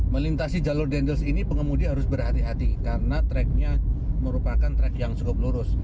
melintasi jalur dendels ini pengemudi harus berhati hati karena treknya merupakan trek yang cukup lurus